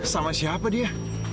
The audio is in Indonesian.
sama siapa dia